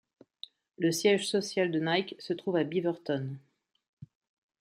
Le siège social de Nike se trouve à Beaverton.